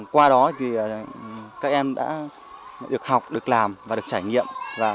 qua đó thì các em đã được học được làm và được trải nghiệm